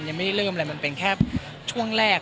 ยังไม่ได้เริ่มอะไรมันเป็นแค่ช่วงแรก